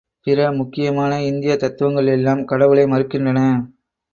பிற முக்கியமான இந்தியத் தத்துவங்கள் எல்லாம் கடவுளை மறுக்கின்றன.